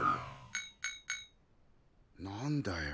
何だよ。